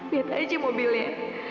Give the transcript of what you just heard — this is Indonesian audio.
lihat aja mobilnya